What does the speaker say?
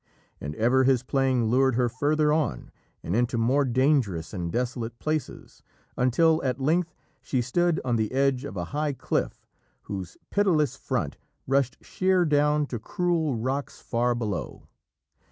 And ever his playing lured her further on and into more dangerous and desolate places, until at length she stood on the edge of a high cliff whose pitiless front rushed sheer down to cruel rocks far below.